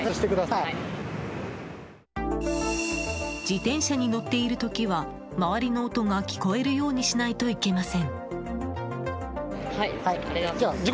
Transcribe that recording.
自転車に乗っている時は周りの音が聞こえるようにしないといけません。